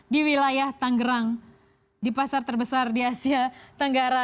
di wilayah tanggerang di pasar terbesar di asia tenggara